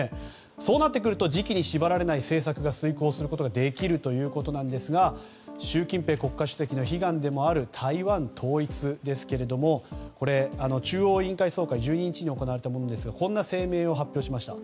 そうなってくると時期に縛られない政策を遂行できるということですが習近平国家主席の悲願でもある台湾統一ですがこれは中央委員会総会１２日に行われたものですがこんな声明を発表しました。